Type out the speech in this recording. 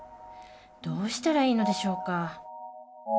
どうしたらいいのでしょうか